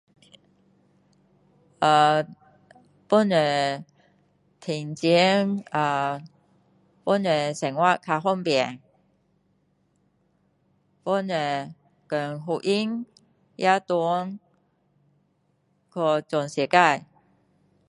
呃帮助赚钱呃帮助生活较方便帮助讲福音要传去全世界